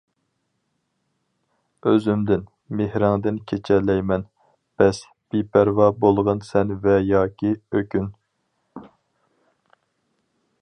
ئۆزۈمدىن، مېھرىڭدىن كېچەلەيمەن، بەس, بىپەرۋا بولغىن سەن ۋە ياكى ئۆكۈن.